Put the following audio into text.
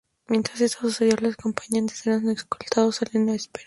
Mientras esto sucedía, los acompañantes eran escoltados a las salas de espera.